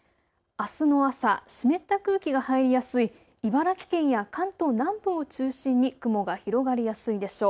あすの朝、湿った空気が入りやすい茨城県や関東南部を中心に雲が広がりやすいでしょう。